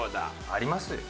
ありますよ。